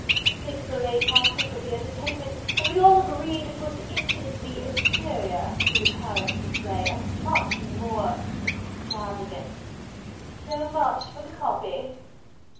Six or eight partook of the entertainment, and we all agreed it was infinitely inferior to the Paris display, and much more extravagant. So much for the copy.